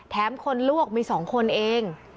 แถมคนลวกมี๒คนเอง